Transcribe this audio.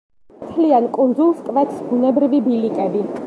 მთლიან კუნძულს კვეთს ბუნებრივი ბილიკები.